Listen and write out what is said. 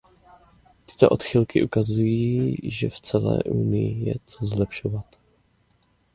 Tyto odchylky ukazují, že v celé Unii je co zlepšovat.